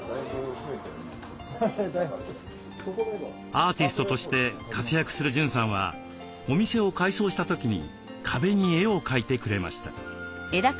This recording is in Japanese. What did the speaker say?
アーティストとして活躍する潤さんはお店を改装した時に壁に絵を描いてくれました。